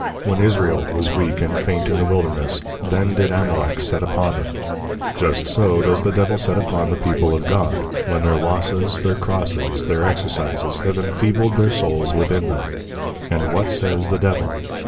When Israel was weak and faint in the Wilderness, then did Amalek set upon them; just so does the Devil set upon the people of God, when their Losses, their Crosses, their Exercises have Enfeebled their Souls within them; and what says the Devil?